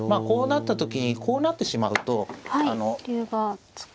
こうなった時にこう成ってしまうと。